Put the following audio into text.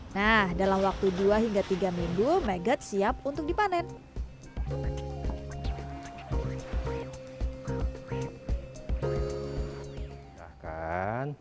nah dalam waktu dua hingga tiga minggu megat siap untuk dipanen